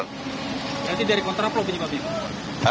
berarti dari kontraplo penyebabnya